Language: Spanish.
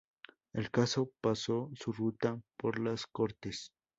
El caso pasó su ruta por las cortes.